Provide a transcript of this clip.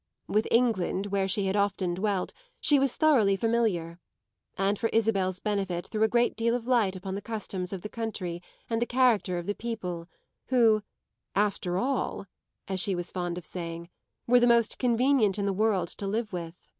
With England, where she had often dwelt, she was thoroughly familiar, and for Isabel's benefit threw a great deal of light upon the customs of the country and the character of the people, who "after all," as she was fond of saying, were the most convenient in the world to live with.